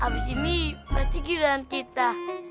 abis ini pasti kehidupan kita